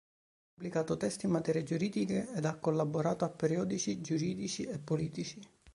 Ha pubblicato testi in materie giuridiche ed ha collaborato a periodici giuridici e politici.